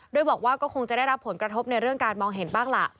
โดยบอกว่าก็คงจะได้รับผลกระทบในเรื่องการมองเห็นบ้างล่ะ